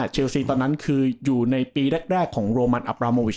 เชลซีตอนนั้นคืออยู่ในปีแรกของโรมันอับราโมวิท